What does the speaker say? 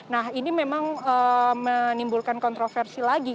nah ini memang menimbulkan kontroversi lagi